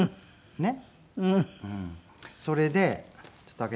ねっ。